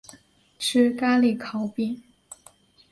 吃咖哩烤饼